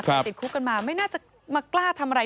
ติดคุกกันมาไม่น่าจะมากล้าทำอะไร